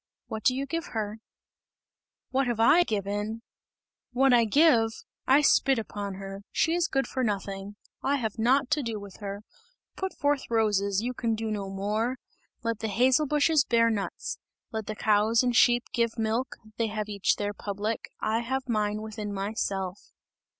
What do you give her?" "What I have given? What I give? I spit upon her! She is good for nothing! I have nought to do with her. Put forth roses, you can do no more! Let the hazel bushes bear nuts! Let the cows and sheep give milk; they have each their public, I have mine within myself!